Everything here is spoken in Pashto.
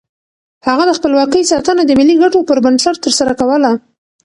هغه د خپلواکۍ ساتنه د ملي ګټو پر بنسټ ترسره کوله.